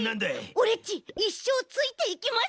オレっちいっしょうついていきます！